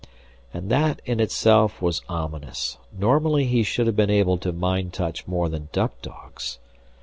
And that in itself was ominous. Normally he should have been able to mind touch more than duck dogs.